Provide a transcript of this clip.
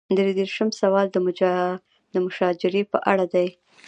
درې دېرشم سوال د مشاجرې په اړه دی.